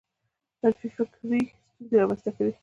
منفي فکر ستونزې رامنځته کوي.